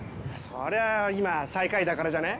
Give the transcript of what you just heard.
そりゃ今最下位だからじゃね？